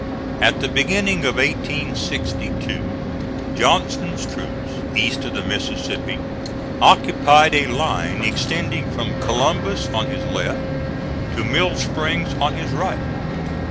At the beginning of 1862 Johnston's troops east of the Mississippi occupied a line extending from Columbus, on his left, to Mill Springs, on his right.